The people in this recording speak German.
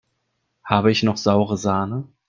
Habe ich noch saure Sahne?